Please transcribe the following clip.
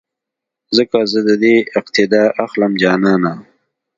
ځکه زه دې اقتیدا اخلم جانانه